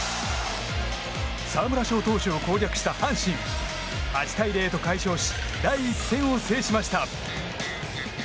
沢村賞投手を攻略した阪神８対０と快勝し第１戦を制しました。